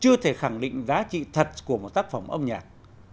chưa thể khẳng định giá trị thật của một tác phẩm âm nhạc